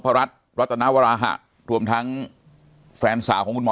สวัสดีครับทุกผู้ชม